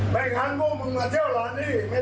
ไม่งั้นพวกมึงมาเที่ยวร้านนี้อีกไม่ได้